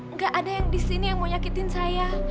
nggak ada yang disini yang mau nyakitin saya